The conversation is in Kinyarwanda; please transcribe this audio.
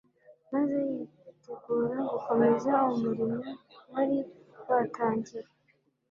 maze yitegura gukomeza umurimo wari watangiwe,